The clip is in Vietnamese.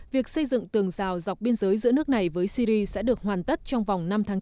việc xây dựng tường rào dọc biên giới giữa nước này với syri sẽ được hoàn tất trong vòng năm tháng chín